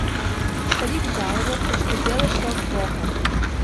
Старик жаловался, что дело шло плохо.